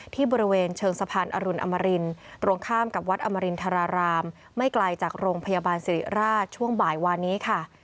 ที่บริเวณเชิงสะพานอรุณอมรินตรงข้ามกับวัดอมรินทรารามไม่ไกลจากโรงพยาบาลสิริราชช่วงบ่ายวานนี้ค่ะ